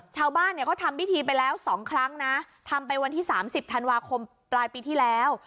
ชาวบ้านเนี่ยเขาทำพิธีไปแล้ว๒ครั้งนะทำไปวันที่๓๐ธันวาคมปลายปีที่แล้ว